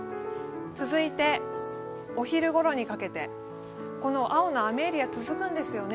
続いてお昼ごろにかけて、青の雨エリア、続くんですよね。